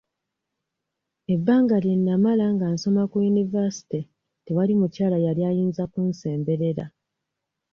Ebbanga lye namala nga nsoma ku yunivasite tewali mukyala yali ayinza kunsemberera.